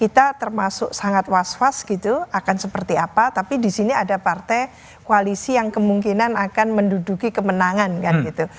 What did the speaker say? kita termasuk sangat was was gitu akan seperti apa tapi di sini ada partai koalisi yang kemungkinan akan menduduki kemenangan kan gitu